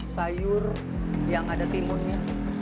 sayur yang ada timurnya